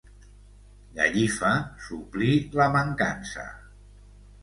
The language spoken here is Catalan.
Gallifa suplí la mancança.